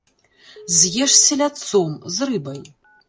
З'еш з селядцом, з рыбай!